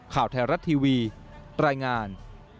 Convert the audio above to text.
ข่าวไทยรัฐทีวีรายงาน